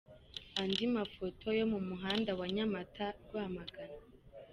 Andi mafoto yo mu muhanda wa Nyamata-Rwamagana.